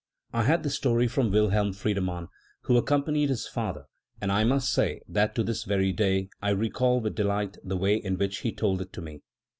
I had the story from Wilhelm Friedemann, who accompanied his father, and I must say that to this very day I recall with delight the way in which he told it to me.